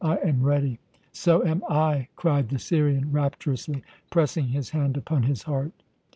I am ready." "So am I!" cried the Syrian rapturously, pressing his hand upon his heart.